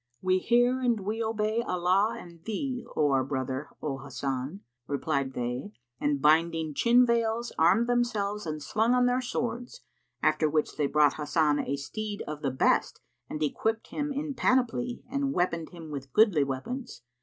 "We hear and we obey Allah and thee, O our brother, O Hasan," replied they and binding chin veils, armed themselves and slung on their swords: after which they brought Hasan a steed of the best and equipped him in panoply and weaponed him with goodly weapons.